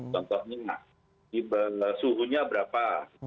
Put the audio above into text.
contohnya nah suhunya berapa